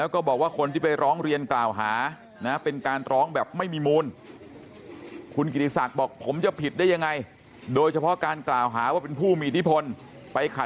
ขวางการดำเนินการของเจ้าอาวาสวัดบางคลานรูปใหม่